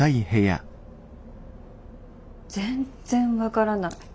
全然分からない。